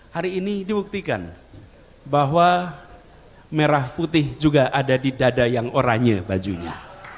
hari ini dibuktikan bahwa merah putih juga ada di dada yang oranye bajunya